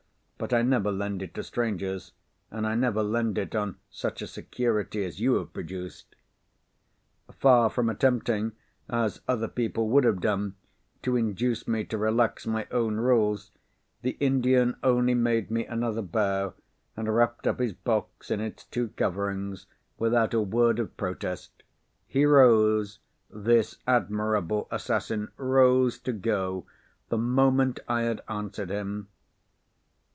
But I never lend it to strangers, and I never lend it on such a security as you have produced." Far from attempting, as other people would have done, to induce me to relax my own rules, the Indian only made me another bow, and wrapped up his box in its two coverings without a word of protest. He rose—this admirable assassin rose to go, the moment I had answered him!